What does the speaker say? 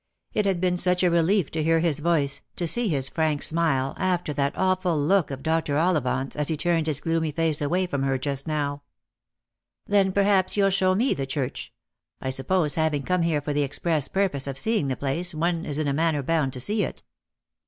It had been such a relief to hear his voice, to see his frank smile, after that awful look of Dr. Ollivant's as he turned his gloomy face away from her just now " Then perhaps you'll show me the church. I suppose, having come here for the express purpose of seeing the place, one is in a manner bound to see it.